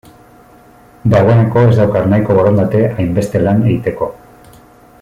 Dagoeneko ez daukat nahiko borondate hainbeste lan egiteko.